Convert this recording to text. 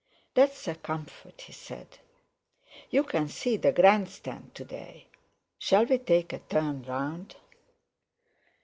"That's a comfort," he said. "You can see the Grand Stand to day. Shall we take a turn round?"